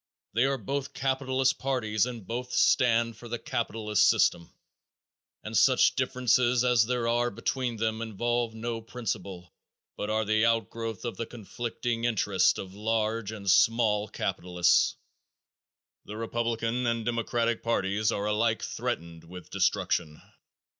They are both capitalist parties and both stand for the capitalist system, and such differences as there are between them involve no principle but are the outgrowth of the conflicting interests of large and small capitalists. The Republican and Democratic parties are alike threatened with destruction.